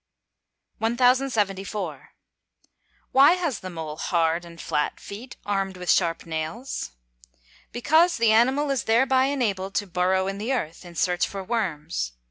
Paley. CHAPTER LIV. 1074. Why has the mole hard and flat feet, armed with sharp nails? Because the animal is thereby enabled to burrow in the earth, in search for worms.